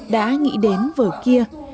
đã nghĩ đến vở kia